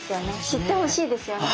知ってほしいですよね。